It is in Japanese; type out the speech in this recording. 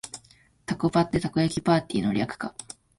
タコパってたこ焼きパーティーの略か